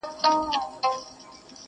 چي پیدا به یو زمری پر پښتونخوا سي!